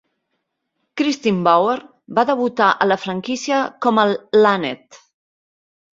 Kristin Bauer va debutar a la franquícia com a Laneth.